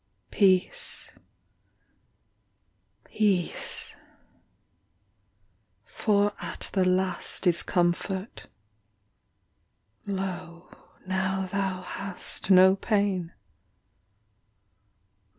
Peace ... Peace ... for at The last is comfort. Lo, now Thou hast no pain.